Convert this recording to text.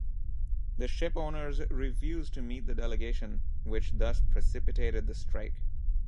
The Shipowners refused to meet the delegation, which thus precipitated the strike.